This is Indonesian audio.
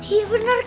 iya bener kak